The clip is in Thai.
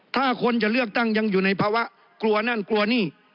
ถ้าคนจะเลือกตั้งยังอยู่ในภาวะกลัวนั่นกลัวนี่